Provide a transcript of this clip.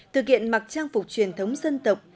thực hiện mặc trang phục truyền thống dân tộc